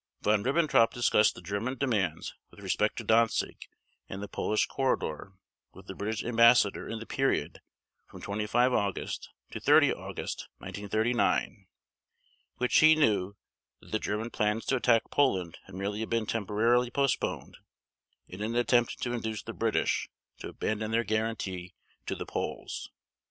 Von Ribbentrop discussed the German demands with respect to Danzig and the Polish Corridor with the British Ambassador in the period from 25 August to 30 August 1939, when he knew that the German plans to attack Poland had merely been temporarily postponed in an attempt to induce the British to abandon their guarantee to the Poles.